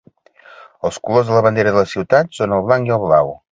Els colors de la bandera de la ciutat són el blanc i el blau.